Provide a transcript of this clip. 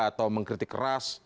atau mengkritik keras